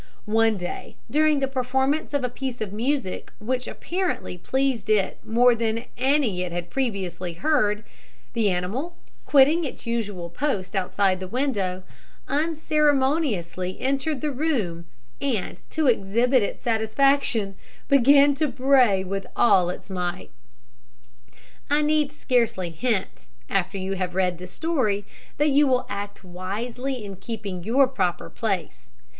One day, during the performance of a piece of music which apparently pleased it more than any it had previously heard, the animal, quitting its usual post outside the window, unceremoniously entered the room, and, to exhibit its satisfaction, began to bray with all its might. I need scarcely hint, after you have read this story, that you will act wisely in keeping your proper place.